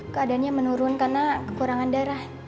keadaannya menurun karena kekurangan darah